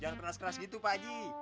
jangan keras keras gitu pak ji